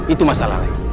itu masalah lain